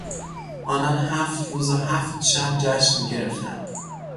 آنان هفت روز و هفت شب جشن گرفتند.